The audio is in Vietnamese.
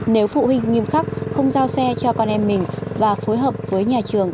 nếu phụ huynh nghiêm khắc không giao xe cho con em mình và phối hợp với nhà trường